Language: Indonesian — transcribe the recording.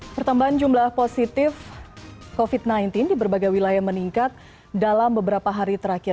pertambahan jumlah positif covid sembilan belas di berbagai wilayah meningkat dalam beberapa hari terakhir